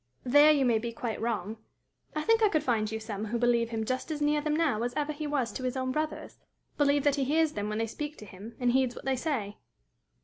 "There you may be quite wrong. I think I could find you some who believe him just as near them now as ever he was to his own brothers believe that he hears them when they speak to him, and heeds what they say."